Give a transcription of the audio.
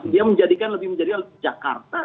dia menjadikan lebih menjadi jakarta